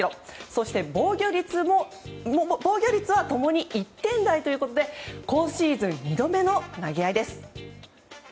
そして防御率は共に１点台ということで今シーズン２度目の投げ合いです。